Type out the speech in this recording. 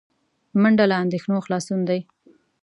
منډه له اندېښنو خلاصون دی